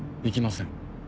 行きません。